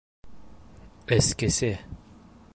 Эскесе!